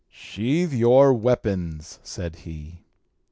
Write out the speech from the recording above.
"Sheathe your weapons!" said he.